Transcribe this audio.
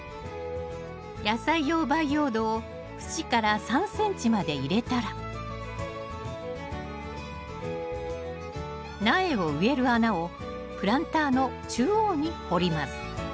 野菜用培養土を縁から３ｃｍまで入れたら苗を植える穴をプランターの中央に掘ります